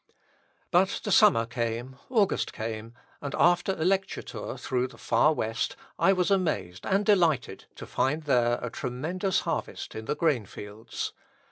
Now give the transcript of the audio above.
But the summer came, August came, and after a lecture tour through the far West I was amazed and delighted to find there a tremendous harvest in the grain fields.